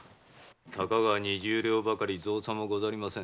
たかが二十両ばかり造作もございません。